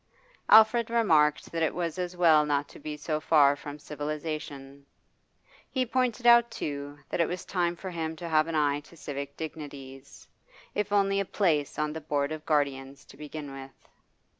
Alfred remarked that it was as well not to be so far from civilisation; he pointed out, too, that it was time for him to have an eye to civic dignities, if only a place on the Board of Guardians to begin with.